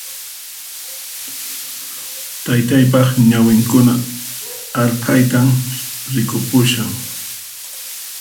Taytaypaq ñawinkuna arphaytan rikupushan